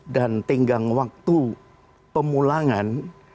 dan tinggang waktu pemulangan